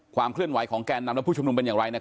ความเคลื่อนไหวของแก่นนำและผู้ชุมนุมเป็นอย่างไร